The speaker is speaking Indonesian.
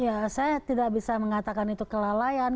ya saya tidak bisa mengatakan itu kelalaian